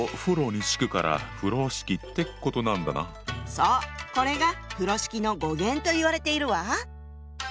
そうこれが風呂敷の語源と言われているわ。